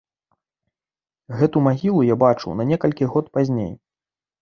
Гэту магілу я бачыў на некалькі год пазней.